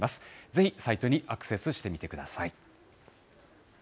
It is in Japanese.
ぜひサイトにアクセスしてみてください。